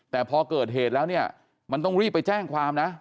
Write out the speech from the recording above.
แต่พอเกิดเหตุแล้วเนี่ยมันต้องรีบไปแจ้งความนะ